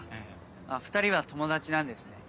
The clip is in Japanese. ２人は友達なんですね。